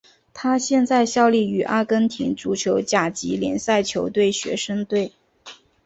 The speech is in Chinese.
他现在效力于阿根廷足球甲级联赛球队学生队。